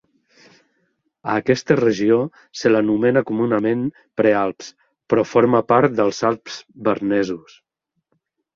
A aquesta regió se l'anomena comunament "prealps", però forma part dels Alps bernesos.